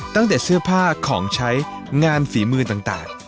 ตั้งแต่เสื้อผ้าของใช้งานฝีมือต่าง